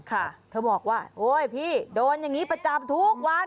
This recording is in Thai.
เธอบอกว่าโอ๊ยพี่โดนอย่างนี้ประจำทุกวัน